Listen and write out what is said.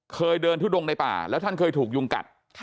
เคยเดินทุดงในป่าแล้วท่านเคยถูกยุงกัด